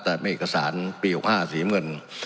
แต่ไม่มีเอกสารปี๖๕สีเมื่อน